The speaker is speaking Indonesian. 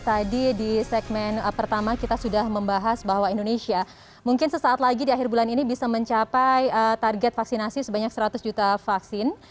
tadi di segmen pertama kita sudah membahas bahwa indonesia mungkin sesaat lagi di akhir bulan ini bisa mencapai target vaksinasi sebanyak seratus juta vaksin